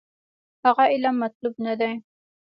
هغه علم مطلوب نه دی.